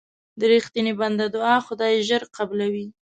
د رښتیني بنده دعا خدای ژر قبلوي.